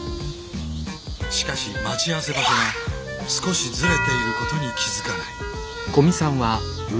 しかし待ち合わせ場所が少しズレていることに気付かない。